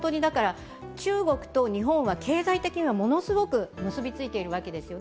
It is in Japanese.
中国と日本は経済的にはものすごく結びついているわけですよ。